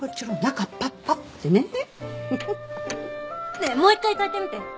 ねえもう一回炊いてみて！